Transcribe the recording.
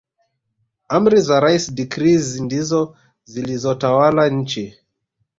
Amri za rais decrees ndizo zilizotawala nchi